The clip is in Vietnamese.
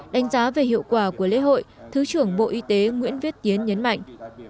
đánh giá về hiệu quả của lễ hội thứ trưởng bộ y tế nguyễn viết tiến nhấn mạnh